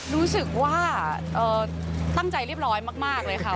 รู้สึกว่าตั้งใจเรียบร้อยมากเลยค่ะ